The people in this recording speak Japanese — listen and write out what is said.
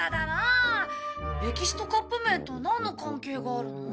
歴史とカップ麺となんの関係があるの？